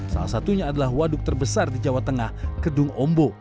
salah satunya adalah waduk terbesar di jawa tengah kedung ombo